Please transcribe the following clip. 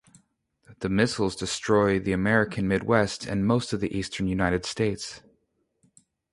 The missiles destroy the American Midwest and most of the eastern United States.